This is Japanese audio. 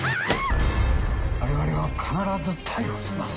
我々が必ず逮捕します。